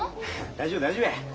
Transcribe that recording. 大丈夫大丈夫や。